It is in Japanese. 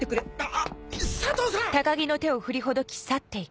あぁ佐藤さん！